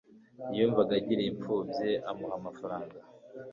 yumvaga agiriye impfubyi amuha amafaranga